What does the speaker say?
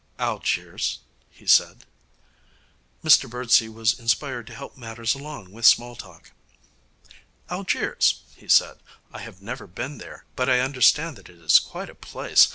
'Algiers,' he said. Mr Birdsey was inspired to help matters along with small talk. 'Algiers,' he said. 'I have never been there, but I understand that it is quite a place.